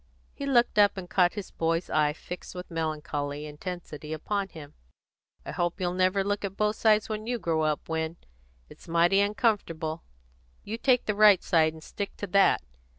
He looked up, and caught his boy's eye fixed with melancholy intensity upon him. "I hope you'll never look at both sides when you grow up, Win. It's mighty uncomfortable. You take the right side, and stick to that.